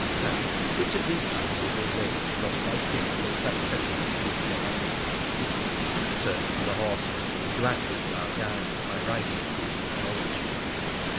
Now, which of these admirable maids dost thou think most accessible, good Delafosse ?' he asked, turning to the horse man who acted as our guide by right of previous knowledge here.